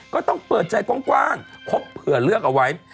ก็ต้องเปิดใจกว้างครบเผื่อเลือกเอาไว้